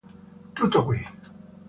Tutto qui.